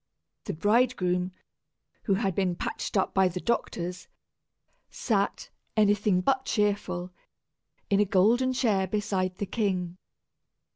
The bridegroom, who had been patched up by the doctors, sat, anything but cheerful, in a golden chair beside the king.